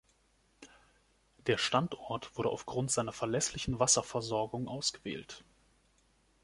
Der Standort wurde aufgrund seiner verlässlichen Wasserversorgung ausgewählt.